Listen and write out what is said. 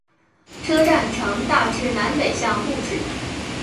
车站呈大致南北向布置。